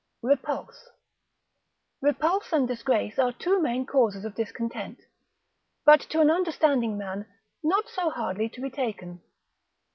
Repulse.] Repulse and disgrace are two main causes of discontent, but to an understanding man not so hardly to be taken.